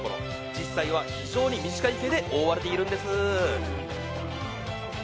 実際は非常に短い毛で覆われているんです。